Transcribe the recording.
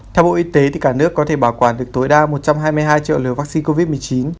theo bộ y tế cả nước có thể bảo quản được tối đa một trăm hai mươi hai triệu liều vaccine covid một mươi chín